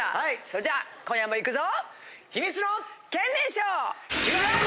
それじゃあ今夜もいくぞ！